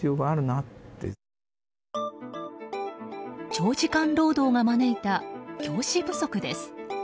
長時間労働が招いた教師不足です。